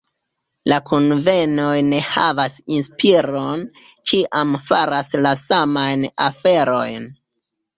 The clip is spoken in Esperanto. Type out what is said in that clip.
La kunvenoj ne havas inspiron, ĉiam faras la samajn aferojn.